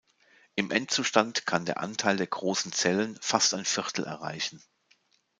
Im Endzustand kann der Anteil der großen Zellen fast ein Viertel erreichen.